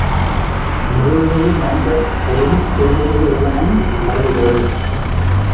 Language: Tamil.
நிறைமொழி மாந்தர் அருளிச் செய்பவையெல்லாம் மறைகளே!